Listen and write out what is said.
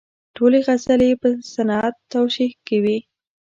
ټولې غزلې یې په صنعت توشیح کې وې.